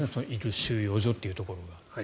収容所というところが。